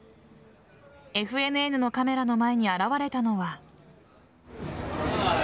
ＦＮＮのカメラの前に現れたのは。